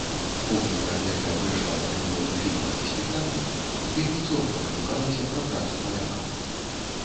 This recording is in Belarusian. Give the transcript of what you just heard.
Публіка, якая прыйшла на прэм'еру фільма і спектаклю вельмі цёпла адгукалася пра працу палякаў.